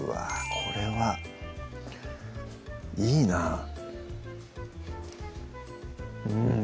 これはいいなうん！